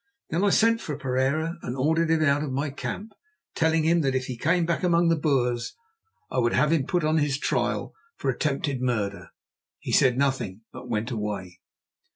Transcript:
Then I sent for Pereira and ordered him out of my camp, telling him that if he came back among the Boers I would have him put on his trial for attempted murder. He said nothing, but went away."